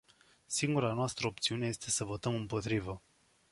Singura noastră opțiune este să votăm împotrivă.